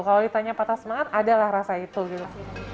kalau ditanya patah semangat adalah rasa itu gitu